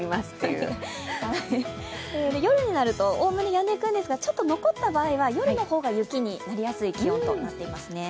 夜になるとおおむねやんでいくんですが、ちょっと残った場合は夜の方が雪になりやすい気温となっています。